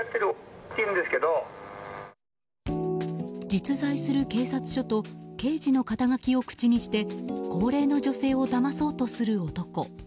実在する警察署と刑事の肩書を口にして高齢の女性をだまそうとする男。